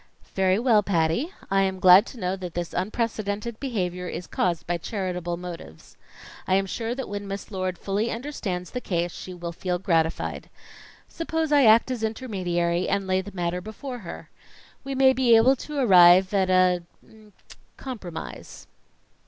"Very well, Patty, I am glad to know that this unprecedented behavior is caused by charitable motives. I am sure that when Miss Lord fully understands the case she will feel gratified. Suppose I act as intermediary and lay the matter before her? We may be able to arrive at an er compromise."